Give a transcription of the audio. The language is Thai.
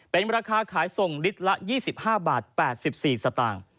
เป็นราคาขายส่งลิตรละ๒๕บาท๘๔สตางค์